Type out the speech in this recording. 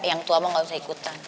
yang tua mau gak usah ikutan